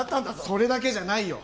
それだけじゃないよ。